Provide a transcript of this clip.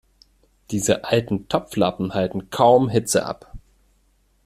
Diese alten Topflappen halten kaum Hitze ab.